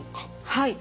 はい。